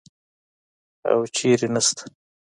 او چېرته نسته.